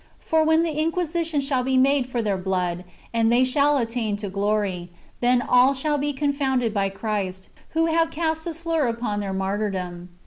For, when inquisi tion shall be made for their blood,* and they shall attain to glory, then all shall be confounded by Christ, who have cast a slur upon their martyrdom.